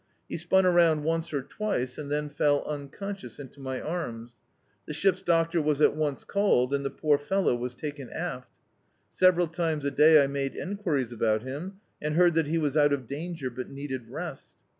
He spun around once or twice, and then fell unconscious into my arms. The ship's doctor was at once called, and the poor fellow was taken aft. Several times a day Z made enquiries about him, and heard that he was out of danger, but needed rest.